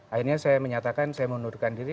akhirnya saya menyatakan saya mengundurkan diri